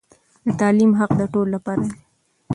د تعليم حق د ټولو لپاره دی.